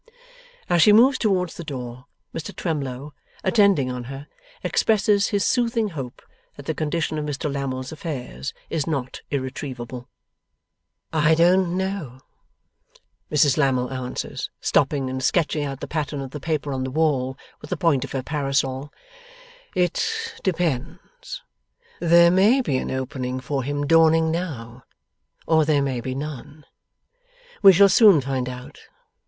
As she moves towards the door, Mr Twemlow, attending on her, expresses his soothing hope that the condition of Mr Lammle's affairs is not irretrievable. 'I don't know,' Mrs Lammle answers, stopping, and sketching out the pattern of the paper on the wall with the point of her parasol; 'it depends. There may be an opening for him dawning now, or there may be none. We shall soon find out.